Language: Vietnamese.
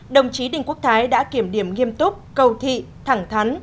đồng chí đinh quốc thái đã kiểm điểm nghiêm túc cầu thị thẳng thắn